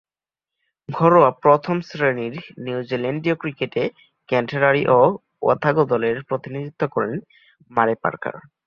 ঘরোয়া প্রথম-শ্রেণীর নিউজিল্যান্ডীয় ক্রিকেটে ক্যান্টারবারি ও ওতাগো দলের প্রতিনিধিত্ব করেন মারে পার্কার।